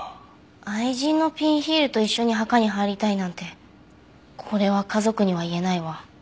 愛人のピンヒールと一緒に墓に入りたいなんてこれは家族には言えないわ。